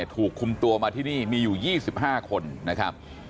ถูกคุมตัวมาที่นี่มีอยู่๒๕คนนะครับ